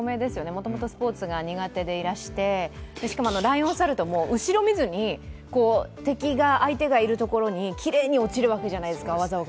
もともとスポーツが苦手でいらして、しかもライオンサルト、後ろを見ずに敵が相手がいるところに、きれいに落ちるわけじゃないですか。